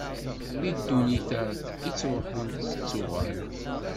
Di ddunit-a ittruḥun tettuɣal